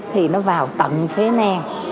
thì nó vào tận phế nan